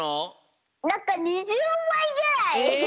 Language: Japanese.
なんか２０まいぐらい。